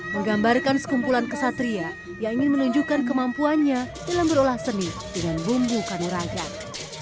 menggambarkan sekumpulan kesatria yang ingin menunjukkan kemampuannya dalam berolah seni dengan bumbu kanuragan